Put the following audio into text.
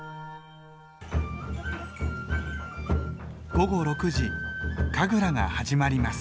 午後６時神楽が始まります。